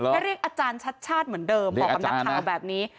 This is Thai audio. ให้เรียกอาจารย์ชัดชาติเหมือนเดิมบอกกับนักข่าวแบบนี้